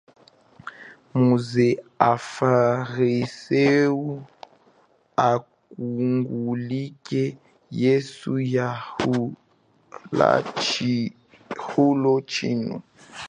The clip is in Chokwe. Muze afarisewu akungulukile yesu yahula chihulo chino.